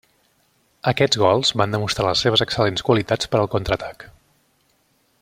Aquests gols van demostrar les seves excel·lents qualitats per al contraatac.